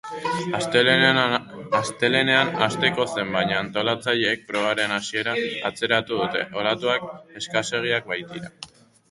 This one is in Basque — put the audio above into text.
Astelehenean hasteko zen, baina antolatzaileek probaren hasiera atzeratu dute olatuak eskasegiak baitira.